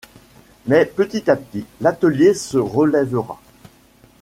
Mais petit à petit, l’atelier se relèvera.